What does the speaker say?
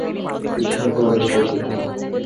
রসিকের প্রবেশ রসিক।